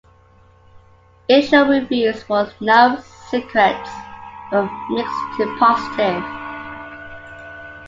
Initial reviews for "No Secrets" were mixed to positive.